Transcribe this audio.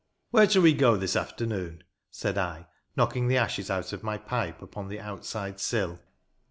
" Where shall we go this afternoon?" said I, knocking the ashes out of my pipe upon the outside sill.